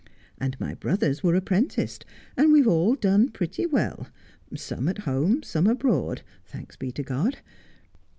And my brothers were apprenticed ; and we've all done pretty well — some at home, some abroad — thanks be to God.'